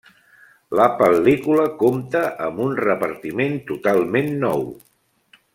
La pel·lícula compta amb un repartiment totalment nou.